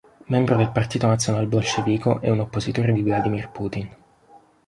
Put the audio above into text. Membro del Partito Nazional Bolscevico, è un oppositore di Vladimir Putin.